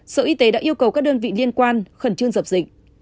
sở y tế đã yêu cầu các đơn vị liên quan khẩn trương dập dịch